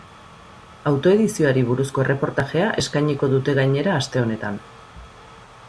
Autoedizioari buruzko erreportajea eskainiko dute gainera aste honetan.